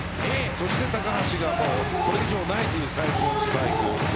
そして高橋藍のこれ以上ないという最高のスパイク。